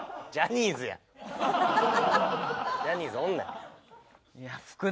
ジャニーズおんねん。